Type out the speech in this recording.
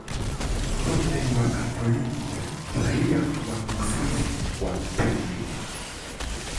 Wote ni Wakatoliki raia wa Uswisi kwa kuzaliwa.